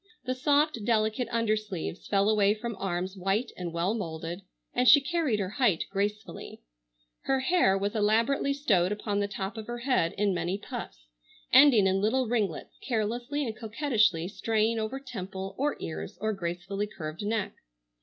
The soft delicate undersleeves fell away from arms white and well moulded, and she carried her height gracefully. Her hair was elaborately stowed upon the top of her head in many puffs, ending in little ringlets carelessly and coquettishly straying over temple, or ears, or gracefully curved neck.